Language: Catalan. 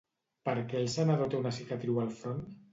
Per què el sanador té una cicatriu al front?